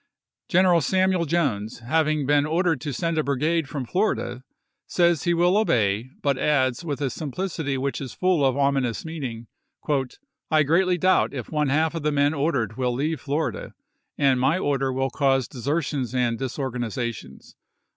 G eneral Samuel Jones, having been ordered to send a brigade from Florida, says he will obey, but adds, with a sim plicity which is full of ominous meaning, " I greatly doubt if one half of the men ordered will leave Florida, and my order will cause desertions md. and disorganizations."